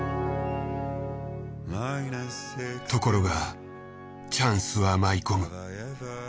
ところがチャンスは舞い込む。